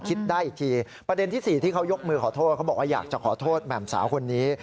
คิดได้อีกทีประเด็นที่๔ที่เขายกมือขอโทษเขาบอกว่าอยากจะขอโทษแหม่มสาวคนนี้